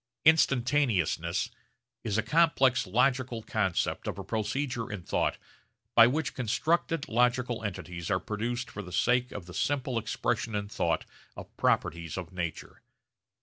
Instantaneousness is a complex logical concept of a procedure in thought by which constructed logical entities are produced for the sake of the simple expression in thought of properties of nature.